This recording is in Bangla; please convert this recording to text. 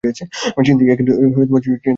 চিন্তার কছু নেই।